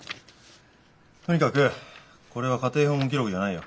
とにかくこれは家庭訪問記録じゃないよ。